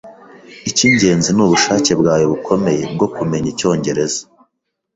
Icyingenzi nubushake bwawe bukomeye bwo kumenya icyongereza